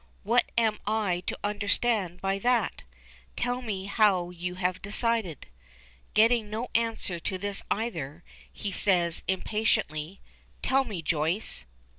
"What am I to understand by that? Tell me how you have decided." Getting no answer to this either, he says, impatiently, "Tell me, Joyce."